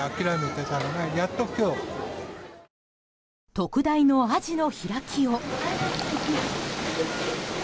特大のアジの開きを。